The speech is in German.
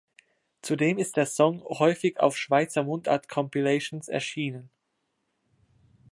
Zudem ist der Song häufig auf Schweizer Mundart-Compilations erschienen.